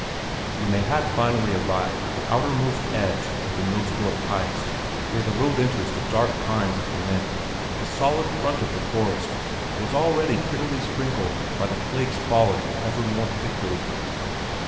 When they had finally arrived at the outermost edge of the Millsdorf heights where the road enters the dark pines of the "neck" the solid front of the forest was already prettily sprinkled by the flakes falling ever more thickly.